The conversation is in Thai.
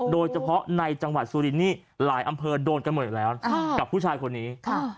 โดยเฉพาะในจังหวัดสุรินนี่หลายอำเภอโดนกันหมดแล้วกับผู้ชายคนนี้